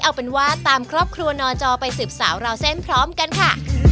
เอาเป็นว่าตามครอบครัวนอจอไปสืบสาวราวเส้นพร้อมกันค่ะ